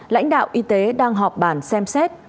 lãnh đạo y tế đang họp bàn xem xét